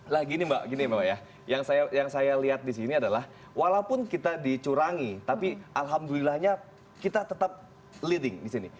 lah gini mbak gini mbak ya yang saya lihat di sini adalah walaupun kita dicurangi tapi alhamdulillahnya kita tetap leading di sini